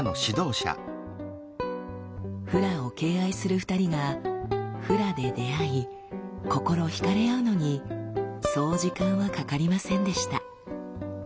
フラを敬愛する２人がフラで出会い心惹かれ合うのにそう時間はかかりませんでした。